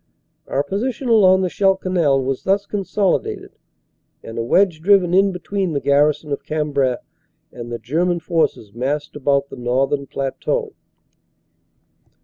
Our position along the Scheldt Canal was thus consolidated and a wedge driven in between the garrison of Cambrai and the German forces massed about the northern plateau.